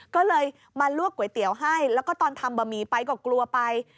ก็เลยมาลวกก๋วยเตี๋ยวให้แล้วก็ตอนทำบะหมี่ไปก็กลัวไป